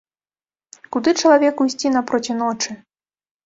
Куды чалавеку ісці напроці ночы.